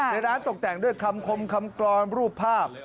ในร้านตกแต่งด้วยคำคมคำกรอนรูปภาพ